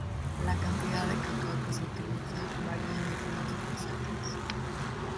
La cantidad de cacao que se utiliza varía en diferentes recetas.